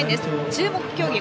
注目競技